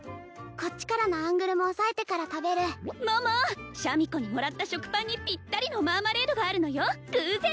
こっちからのアングルもおさえてから食べる桃シャミ子にもらった食パンにぴったりのマーマレードがあるのよ偶然！